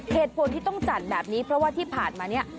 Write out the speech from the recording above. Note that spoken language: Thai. เหตุผลที่ต้องจัดแบบนี้เพราะว่าที่ผ่านมาเนี่ย